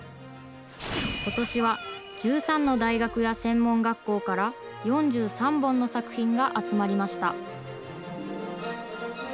今年は１３の大学や専門学校から４３本の作品が集まりました。